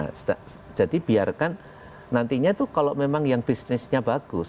nah jadi biarkan nantinya itu kalau memang yang bisnisnya bagus